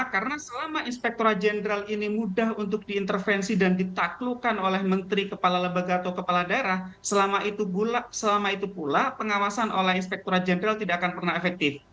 karena selama inspektora jenderal ini mudah untuk diintervensi dan ditaklukan oleh menteri kepala lembaga atau kepala daerah selama itu pula pengawasan oleh inspektora jenderal tidak akan pernah efektif